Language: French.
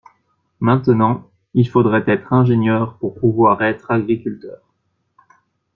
Maintenant, il faudrait être ingénieur pour pouvoir être agriculteur.